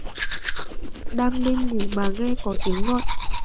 Đang đêm ngủ mà nghe có tiếng gọi